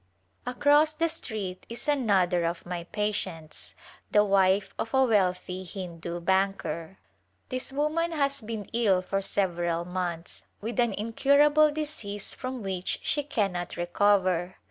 [ 104] As M Saw It Across the street is another of my patients, the wife of a wealthy Hindu banlcer. This woman has been ill for several months with an incurable disease from which she cannot recover.